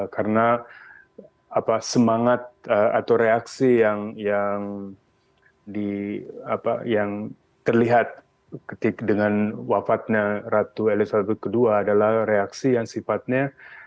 karena semangat atau reaksi yang terlihat ketika dengan wafatnya ratu elizabeth ii adalah reaksi yang sifatnya